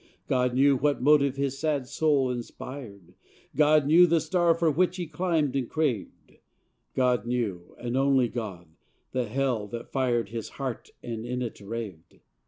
God knew what motive his sad soul inspired: God knew the star for which he climbed and craved: God knew, and only God, the hell that fired His heart and in it raved.